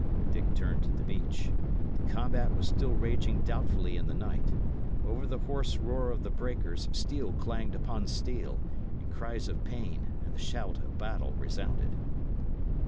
Dick turned to the beach. The combat was still raging doubtfully in the night; over the hoarse roar of the breakers steel clanged upon steel, and cries of pain and the shout of battle resounded.